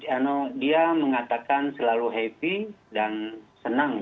ano dia mengatakan selalu happy dan senang dengan